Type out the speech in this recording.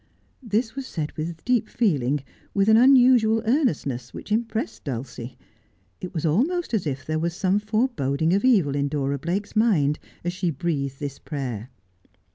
This was said with deep feeling, with an unusual earnest ness, which impressed Dulcie. It was almost as if there was some foreboding of evil in Dora Blake's mind as she breathed this prayer.